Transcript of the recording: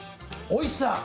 おいしさ